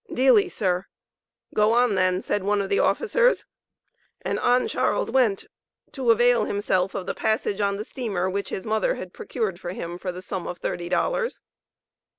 "Delie, sir." "Go on then!" said one of the officers, and on Charles went to avail himself of the passage on the steamer which his mother had procured for him for the sum of thirty dollars.